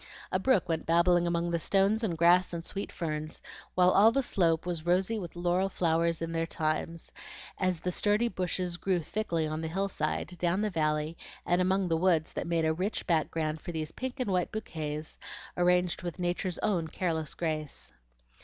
A brook went babbling among the stones and grass and sweet ferns, while all the slope was rosy with laurel flowers in their times, as the sturdy bushes grew thickly on the hill side, down the valley, and among the woods that made a rich background for these pink and white bouquets arranged with Nature's own careless grace.